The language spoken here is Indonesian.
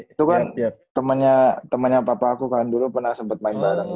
itu kan temennya papa aku kan dulu pernah sempet main bareng gitu